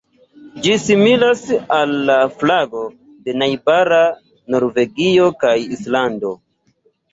Ĝi similas al la flago de najbara Norvegio kaj Islando.